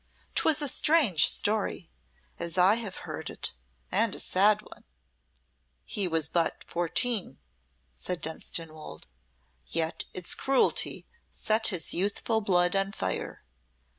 "'Twas a strange story, as I have heard it and a sad one." "He was but fourteen," said Dunstanwolde, "yet its cruelty set his youthful blood on fire.